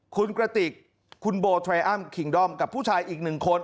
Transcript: คุณกระติกคุณโบไทรอัมคิงด้อมกับผู้ชายอีกหนึ่งคน